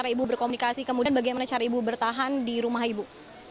ibu berkomunikasi kemudian bagaimana cara ibu bertahan di rumah ibu